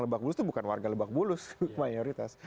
lebak bulus itu bukan warga lebak bulus mayoritas